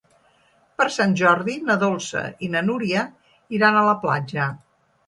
Per Sant Jordi na Dolça i na Núria iran a la platja.